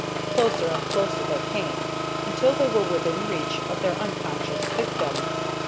Closer and closer they came, until they were within reach of their unconscious victim.